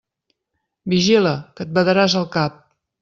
Vigila, que et badaràs el cap!